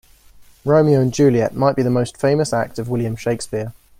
Romeo and Juliet might be the most famous act of William Shakespeare.